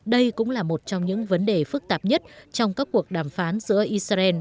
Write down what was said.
đây cũng là một trong những vấn đề phức tạp nhất trong các cuộc đàm phán giữa israel